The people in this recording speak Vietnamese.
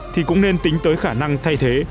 thì cũng nên tính tới khả năng thay thế